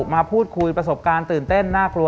มาพูดคุยประสบการณ์ตื่นเต้นน่ากลัว